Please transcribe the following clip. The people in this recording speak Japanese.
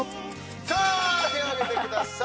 さあ手を上げてください。